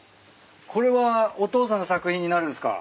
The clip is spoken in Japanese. これはお父さんの作品になるんすか？